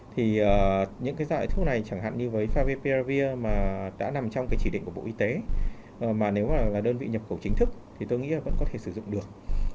thì những cái loại thuốc này chẳng hạn như với saviperavir mà đã nằm trong cái chỉ định của bộ y tế mà nếu là đơn vị nhập khẩu chính thức thì tôi nghĩ vẫn có thể sử dụng được